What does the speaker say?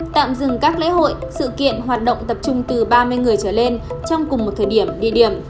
tạm dừng các lễ hội sự kiện hoạt động tập trung từ ba mươi người trở lên trong cùng một thời điểm địa điểm